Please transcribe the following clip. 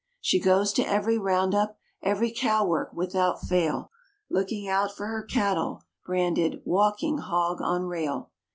She goes to every round up, every cow work without fail, Looking out for her cattle, branded "walking hog on rail."